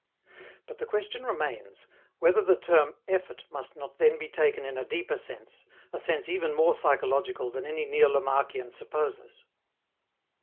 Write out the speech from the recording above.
But the question remains, whether the term "effort" must not then be taken in a deeper sense, a sense even more psychological than any neo Lamarckian supposes.